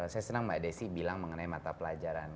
saya senang mbak desi bilang mengenai mata pelajaran